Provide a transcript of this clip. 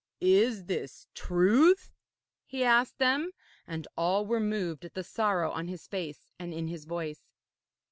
'Is this truth?' he asked them, and all were moved at the sorrow on his face and in his voice.